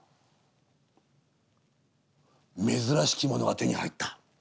「珍しきものが手に入った。